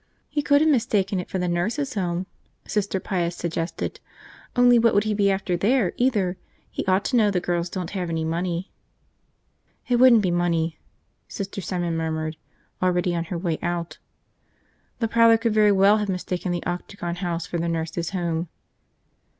"He could have mistaken it for the nurses' home," Sister Pius suggested, "only what would he be after there, either? He ought to know the girls don't have any money!" "It wouldn't be money," Sister Simon murmured, already on her way out. The prowler could very well have mistaken the Octagon House for the nurses' home.